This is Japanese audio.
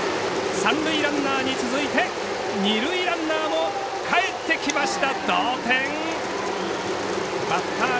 三塁ランナーに続いて二塁ランナーもかえってきました。